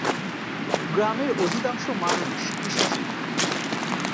গ্রামের অধিকাংশ মানুষ কৃষিজীবী।